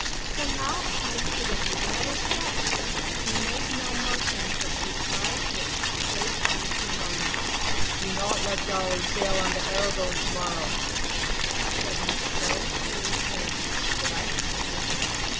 Somehow I couldn't move another step. He made no motion, but his eyes looked straight into mine. "'Do not let Dolly sail on the Aragon tomorrow,' he said in slow, clear tones that I heard distinctly.